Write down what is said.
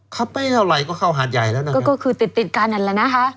เขาไปเท่าไหร่ก็เข้าหาดใหญ่แล้วนะครับ